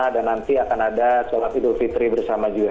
dan nanti akan ada solat idul fitri bersama juga